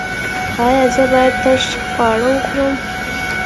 ایا زه باید ترش خواړه وخورم؟